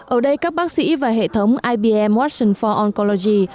ở đây các bác sĩ và hệ thống ibm watson for oncology